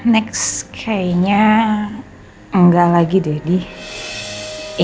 next kayaknya enggak lagi deddy